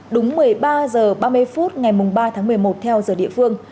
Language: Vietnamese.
đúng một mươi ba h ba mươi phút ngày ba tháng một mươi một theo giờ địa phương